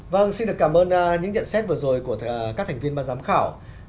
vâng xin được cảm ơn những nhận xét vừa rồi của các thành viên ban giám khảo